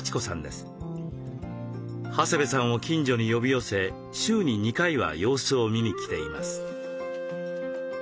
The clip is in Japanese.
長谷部さんを近所に呼び寄せ週に２回は様子を見に来ています。